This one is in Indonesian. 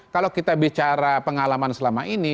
kalau kita bicara pengalaman selama ini